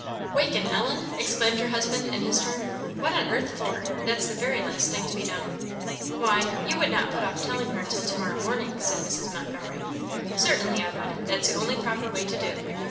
"Waken Ellen!" exclaimed her husband, in his turn; "what on earth for? That's the very last thing to be done." "Why, you would not put off telling her until to morrow morning?" said Mrs. Montgomery. "Certainly I would; that's the only proper way to do.